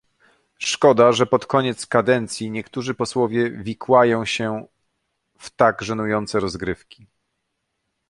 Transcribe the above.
Szkoda, że pod koniec kadencji niektórzy posłowie wikłają się w tak żenujące rozgrywki